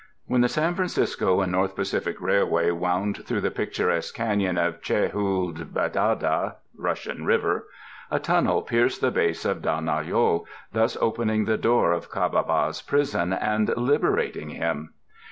When the San Francisco and North Pacific Railway wound through the picturesque canyon of Che hool be da dah (Russian River) a tunnel pierced the base of Dah nol yo, thus opening the door of Ca ba baŌĆÖs prison and liberating him.